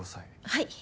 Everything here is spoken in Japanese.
はい。